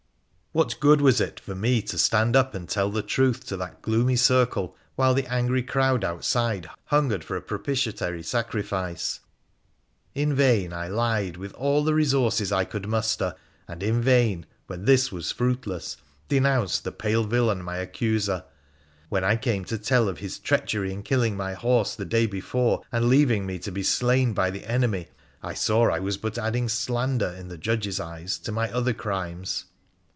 What good was it for me to stand up and tell the truth to that gloomy circle while the angry crowd outside hungered for a propitiatory sacrifice ? In vain I lied with all the resources I could muster, and in vain, when this was fruitless, denounced that pale villain, my accuser. When I came to tell of his treachery in killing my horse the day before, and leaving me to be slain by the enemy, I saw I was but adding slander in the judges' eyes to my other crimes.